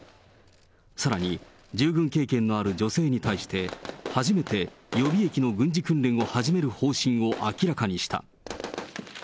さらに従軍経験のある女性に対して、初めて予備役の軍事訓練を始める方針を明らかにした。